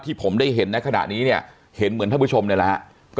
ที่ผมได้เห็นในขณะนี้เนี่ยเห็นเหมือนท่านผู้ชมแล้วนะก็